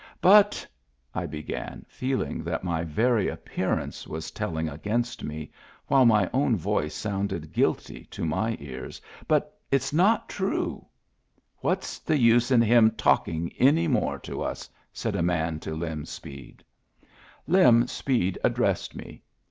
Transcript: "But," I began, feeling that my very appear ance was telling against me, while my own voice sounded guilty to my ears, " but it's not true." " What's the use in him talking any more to us ?" said a man to Lem Speed. Digitized by Google THE GIFT HORSE 197 Lem Speed addressed me.